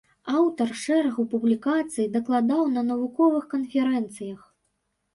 Аўтар шэрагу публікацый, дакладаў на навуковых канферэнцыях.